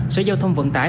sở giao thông vận tải